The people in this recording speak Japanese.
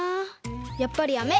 やっぱりやめ！